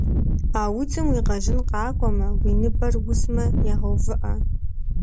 А удзым уи къэжьын къакӏуэмэ, уи ныбэр узмэ, егъэувыӏэ.